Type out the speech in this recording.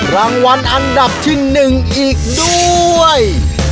รางวัลอันดับที่๑อีกด้วย